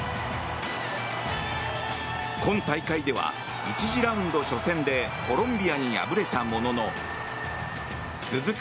今大会では１次ラウンド初戦でコロンビアに敗れたものの続く